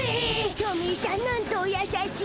トミーしゃんなんとおやさしい。